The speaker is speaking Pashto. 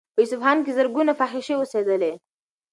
په اصفهان کې زرګونه فاحشې اوسېدلې.